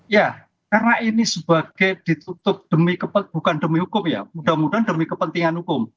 ya karena ini sebagai ditutup bukan demi hukum ya mudah mudahan demi kepentingan hukum